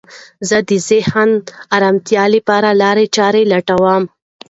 زه د ذهني ارامتیا لپاره لارې چارې لټوم.